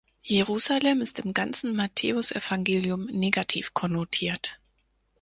Jerusalem ist im ganzen Matthäusevangelium negativ konnotiert.